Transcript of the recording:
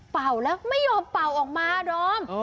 เป่าแล้วไม่ยอมเป่าออกมาอ่ะดอม